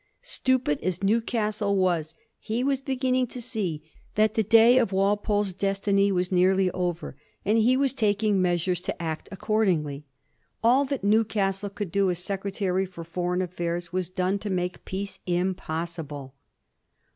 Stupid as Newcastle was, he was beginning to see that the day of Walpole's destiny was nearly over, and he was taking 1739. THE CONVENTION. 161 measures to act accordingly. All that Newcastle coald do as Secretary for Foreign Affairs was done to make peace impossible.